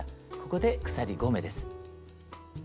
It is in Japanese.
ここで鎖５目です。